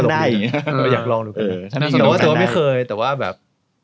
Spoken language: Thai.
แต่ว่าไม่เคยแต่ว่าแบบ